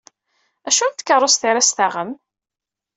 Acu n tkerrust ara s-taɣem?